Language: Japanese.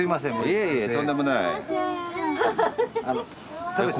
いえいえとんでもない。